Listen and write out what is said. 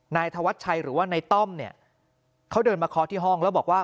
นายธวัชชัยหรือว่านายต้อมเนี่ยเขาเดินมาเคาะที่ห้องแล้วบอกว่า